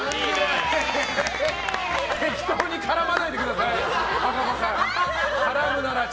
適当に絡まないでください和歌子さん。